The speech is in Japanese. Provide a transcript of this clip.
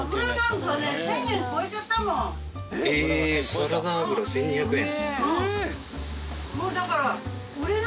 サラダ油１２００円！